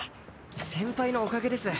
先輩のおかげです。